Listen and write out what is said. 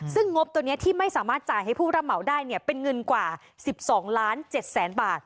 ซึ่งงบตัวนี้ที่ไม่สามารถจ่ายให้ผู้รับเหมาได้เนี่ยเป็นเงินกว่า๑๒ล้าน๗แสนบาท